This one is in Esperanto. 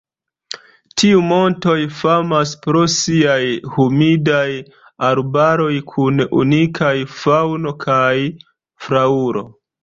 Tiu montoj famas pro siaj humidaj arbaroj kun unikaj faŭno kaj flaŭro.